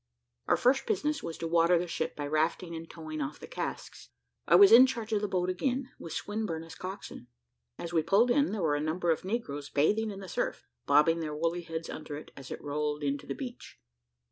Our first business was to water the ship by rafting and towing off the casks. I was in charge of the boat again, with Swinburne as coxswain. As we pulled in, there were a number of negroes bathing in the surf, bobbing their woolly heads under it, as it rolled into the beach.